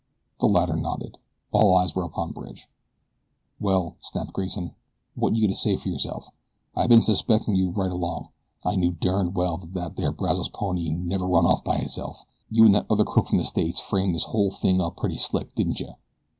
The latter nodded. All eyes were upon Bridge. "Well," snapped Grayson, "what you gotta say fer yourself? I ben suspectin' you right along. I knew derned well that that there Brazos pony never run off by hisself. You an' that other crook from the States framed this whole thing up pretty slick, didn'tcha?